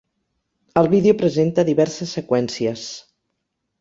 El vídeo presenta diverses seqüències.